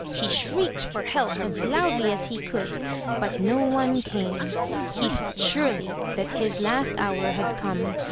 He shrieked for help as loudly as he could, but no one came. He thought surely that his last hour had come.